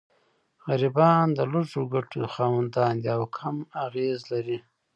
غریبان د لږو ګټو خاوندان دي او کم اغېز لري.